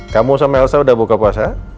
kamu sama elsa udah buka puasa